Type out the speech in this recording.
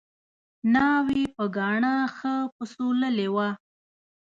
ناوې په ګاڼه ښه پسوللې وه